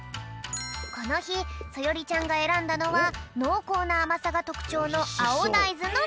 このひそよりちゃんがえらんだのはのうこうなあまさがとくちょうのあおだいずのみそ。